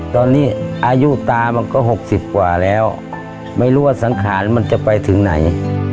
ตอนนี้อายุตามันก็๖๐กว่าแล้วไม่รู้ว่าสังขารมันจะไปถึงไหน